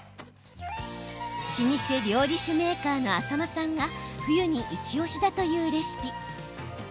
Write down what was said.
老舗料理酒メーカーの浅間さんが冬にイチおしだというレシピ。